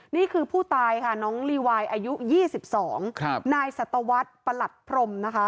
นี่คือผู้ตายค่ะน้องลีวายอายุ๒๒นายสัตวรรษประหลัดพรมนะคะ